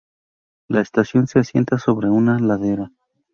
La estación se asienta sobre una ladera.